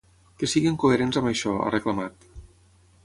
Que siguin coherents amb això, ha reclamat.